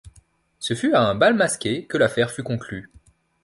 Ce fut à un bal masqué que l'affaire fut conclue.